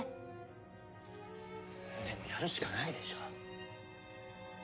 でもやるしかないでしょ。